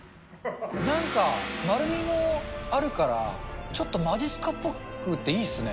なんか、丸みもあるから、ちょっとまじっすかっぽくていいですね。